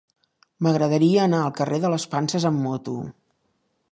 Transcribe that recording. M'agradaria anar al carrer de les Panses amb moto.